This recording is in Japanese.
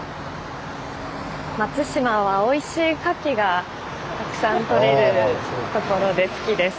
松島はおいしいカキがたくさんとれるところで好きです。